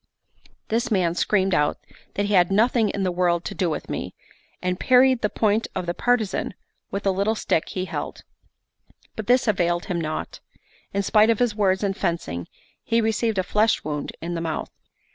This man screamed out that he had nothing in the world to do with me, and parried the point of the partisan with a little stick he held; but this availed him naught: in spite of his words and fencing, he received a flesh wound in the mouth.